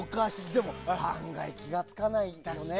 でも、案外気が付かないんだね。